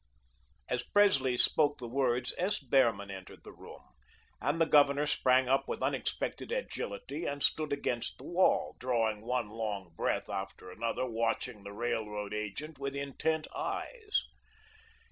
As Presley spoke the words, S. Behrman entered the room, and the Governor sprang up with unexpected agility and stood against the wall, drawing one long breath after another, watching the railroad agent with intent eyes.